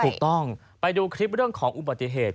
ถูกต้องไปดูคลิปเรื่องของอุบัติเหตุ